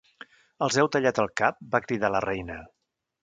"Els heu tallat el cap?", va cridar la reina.